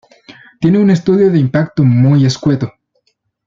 tiene un estudio de impacto muy escueto